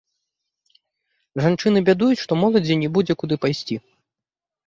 Жанчыны бядуюць, што моладзі не будзе куды пайсці.